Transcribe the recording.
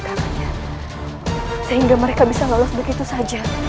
karena sehingga mereka bisa lolos begitu saja